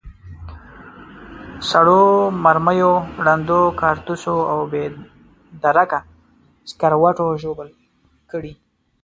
سړو مرمیو، ړندو کارتوسو او بې درکه سکروټو ژوبل کړي.